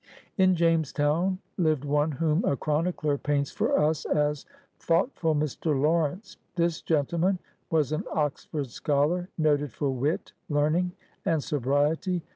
" In Jamestown lived one whom a chronicler paints for us as '^ thoughtful Mr. Lawrence. " This gentleman was an Oxford scholar, noted for '"wit, learning, and sobriety